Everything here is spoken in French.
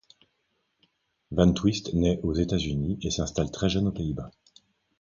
Van Twist naît aux États-Unis et s'installe très jeune aux Pays-Bas.